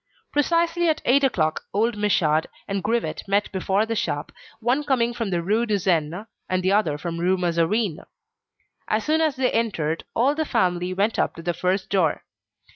Precisely at eight o'clock old Michaud and Grivet met before the shop, one coming from the Rue de Seine, and the other from the Rue Mazarine. As soon as they entered, all the family went up to the first floor.